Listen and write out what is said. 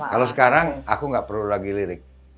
kalau sekarang aku nggak perlu lagi lirik